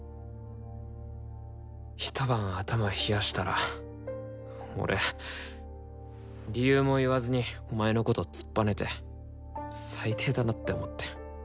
一晩頭冷やしたら俺理由も言わずにお前のこと突っぱねて最低だなって思って。